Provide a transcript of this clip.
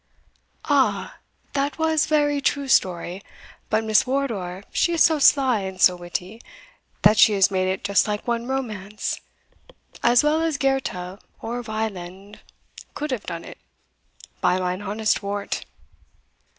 "Ah! that was vary true story but Miss Wardour, she is so sly and so witty, that she has made it just like one romance as well as Goethe or Wieland could have done it, by mine honest wort."